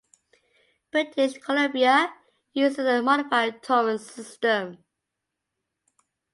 British Columbia uses a modified Torrens system.